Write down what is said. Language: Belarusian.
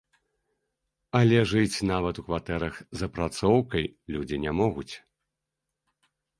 Але жыць нават у кватэрах з апрацоўкай людзі не могуць.